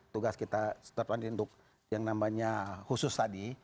tugas kita setelah ini untuk yang namanya khusus tadi